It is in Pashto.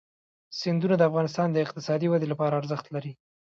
سیندونه د افغانستان د اقتصادي ودې لپاره ارزښت لري.